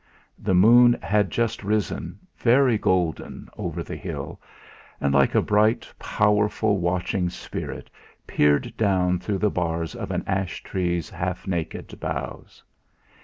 The moon had just risen, very golden, over the hill, and like a bright, powerful, watching spirit peered through the bars of an ash tree's half naked boughs.